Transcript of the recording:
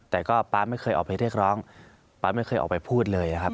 แต่ก็ป๊าไม่เคยออกไปเรียกร้องป๊าไม่เคยออกไปพูดเลยครับ